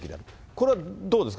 これはどうですか？